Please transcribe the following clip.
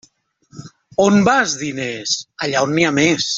On vas, diners? Allà on n'hi ha més.